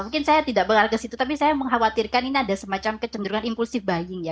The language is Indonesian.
mungkin saya tidak mengarah ke situ tapi saya mengkhawatirkan ini ada semacam kecenderungan impulsive buying ya